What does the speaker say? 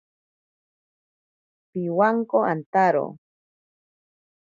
Pibwanko antaro.